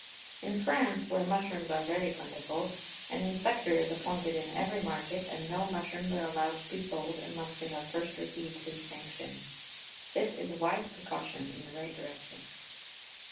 In France, where mushrooms are very plentiful, an inspector is appointed in every market, and no mushrooms are allowed to be sold unless they have first received his sanction. This is a wise precaution in the right direction.